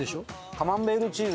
カマンベールチーズ？